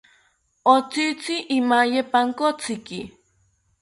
Otzitzi imaye pankotziki